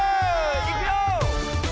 いくよ！